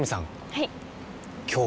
はい。